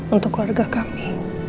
untuk keluarga kami